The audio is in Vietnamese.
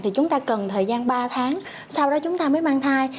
thì chúng ta cần thời gian ba tháng sau đó chúng ta mới mang thai